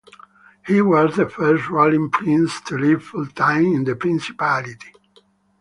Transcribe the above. He was the first ruling prince to live full-time in the principality.